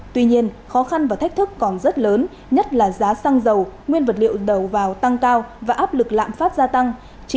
tuy nhiên khó khăn và thách thức còn rất lớn nhất là giá xăng dầu nguyên vật liệu đầu vào tăng cao và áp lực lạm phát gia tăng